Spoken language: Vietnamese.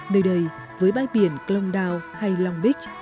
nơi đây với bãi biển klongdao hay long beach